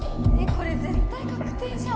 これ絶対確定じゃん